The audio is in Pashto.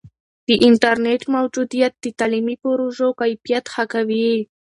د انټرنیټ موجودیت د تعلیمي پروژو کیفیت ښه کوي.